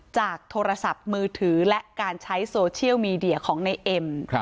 โทรศัพท์มือถือและการใช้โซเชียลมีเดียของในเอ็ม